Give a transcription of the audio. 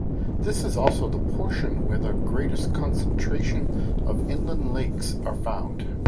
This is also the portion where the greatest concentration of inland lakes are found.